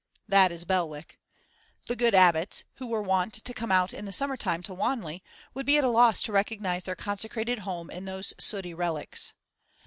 That is Belwick. The good abbots, who were wont to come out in the summer time to Wanley, would be at a loss to recognise their consecrated home in those sooty relics.